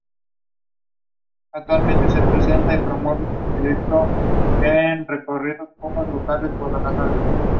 En algunas versiones del mito, Poto es el hijo de Afrodita.